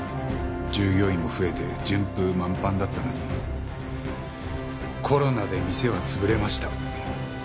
従業員も増えて順風満帆だったのにコロナで店は潰れました。